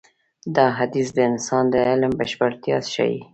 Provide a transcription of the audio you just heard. دا حديث د انسان د علم بشپړتيا ښيي.